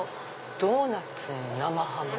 ドーナツに生ハム！